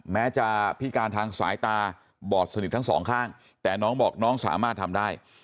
แม้จะพิการทางสายตาบอดสนิททั้งสองข้างแต่น้องบอกน้องสามารถทำได้